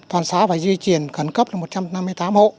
toàn xá phải di chuyển cẩn cấp một trăm năm mươi tám hộ